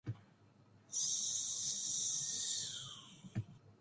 Adipic acid otherwise rarely occurs in nature.